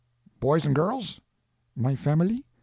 Boys and girls?" "My family?